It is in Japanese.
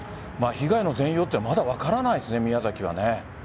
被害の全容はまだ分からないですね、宮崎は。